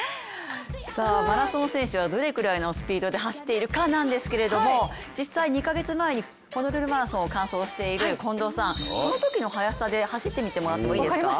マラソン選手はどれくらいのスピードで走っているかなんですけど実際、２か月前にホノルルマラソンを完走している近藤さんそのときの速さで走ってみてもらってもいいですか？